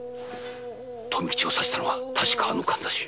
富吉を刺したのは確かあのカンザシ！？